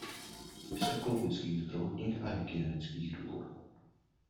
Z ekologických, zdravotních a hygienických důvodů.